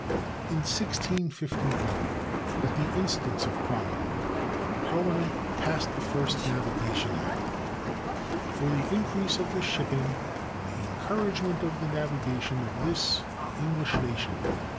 In 1651, at the instance of Cromwell, Parliament passed the first Navigation Act, "for the increase of the shipping and the encouragement of the navigation of this [the English] nation."